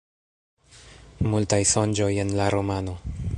Multaj sonĝoj en la romano.